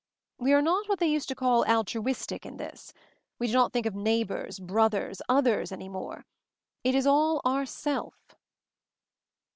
We are not what they used to call 'altruistic' in this. We do not think of 'neighbors/ 'brothers/ 'others' any more. It is all 'ourself